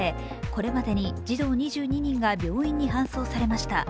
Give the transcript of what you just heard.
これまでに児童２２人が病院に搬送されました。